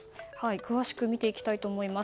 詳しく見ていきたいと思います。